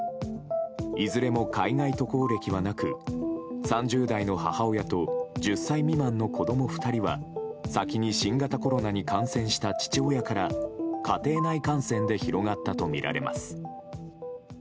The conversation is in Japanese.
いずれも海外渡航歴はなく３０代の母親と１０歳未満の子供２人は先に新型コロナに感染した父親から家庭内感染で広がったとみられます。